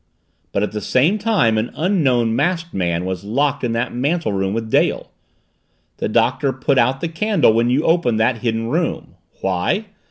"But at the same time an Unknown Masked Man was locked in that mantel room with Dale. The Doctor put out the candle when you opened that Hidden Room. Why?